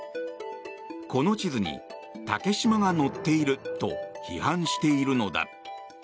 この地図に竹島が載っていると批判しているのだ。